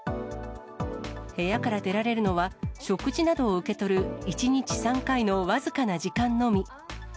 部屋から出られるのは、食事などを受け取る１日３回の僅かな時間のみ。